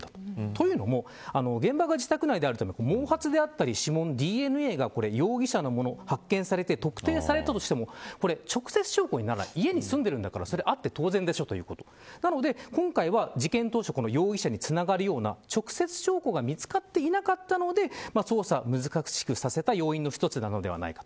というのも現場が自宅内であると毛髪だったり指紋、ＤＮＡが容疑者のもの発見されて特定されたとしても直接証拠にならない家に住んでるんだからあって当然でしょということなので今回は、事件当初容疑者につながるような直接証拠が見つかっていなかったので捜査が難しくさせた要因の一つなのではないか。